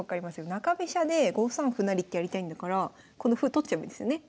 中飛車で５三歩成ってやりたいんだからこの歩取っちゃえばいいんですよね。